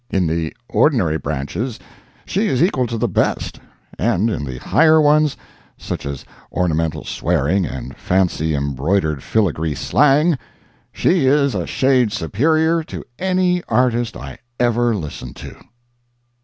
In the ordinary branches she is equal to the best; and in the higher ones, such as ornamental swearing, and fancy embroidered filagree slang, she is a shade superior to any artist I ever listened to.